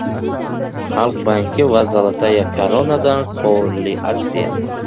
Xalq banki va «Zolotaya Korona»dan sovrinli aksiya!